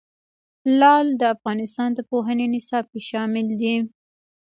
لعل د افغانستان د پوهنې نصاب کې شامل دي.